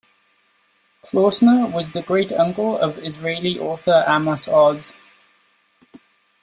Klausner was the great uncle of Israeli author Amos Oz.